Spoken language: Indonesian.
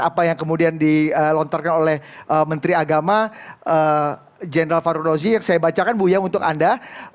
apa yang kemudian dilontarkan oleh menteri agama general farul rozi yang saya bacakan bu ya untuk anda